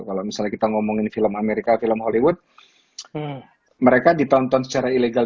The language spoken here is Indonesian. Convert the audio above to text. kalau misalnya kita ngomongin film amerika film hollywood mereka ditonton secara ilegal